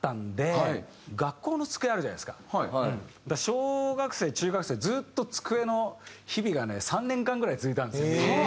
小学生中学生ずっと机の日々がね３年間ぐらい続いたんですよ。